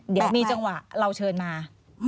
เดี๋ยวมีจังหวะเราเชิญมา